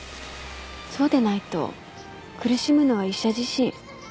そうでないと苦しむのは医者自身。